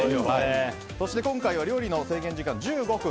そして今回は料理の制限時間が１５分。